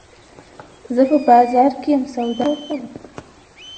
زه په بازار کي یم، سودا کور ته وړم.